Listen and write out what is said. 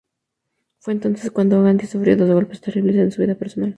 Fue entonces cuando Gandhi sufrió dos golpes terribles en su vida personal.